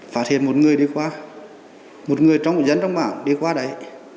phát hiện một người đi qua một người dẫn trong bảo đi qua đấy